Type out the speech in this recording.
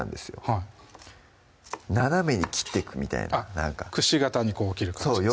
はい斜めに切ってくみたいな櫛形にこう切る感じですね